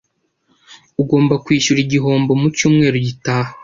Ugomba kwishyura igihombo mu cyumweru gitaha.